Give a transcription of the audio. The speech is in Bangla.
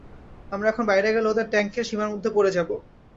আমরা এখন বাইরে গেলে, ওদের ট্যাঙ্কের সীমার মধ্যে পড়ে যাব।